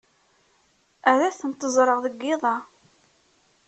Ad tent-ẓreɣ deg yiḍ-a.